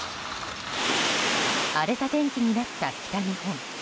荒れた天気になった北日本。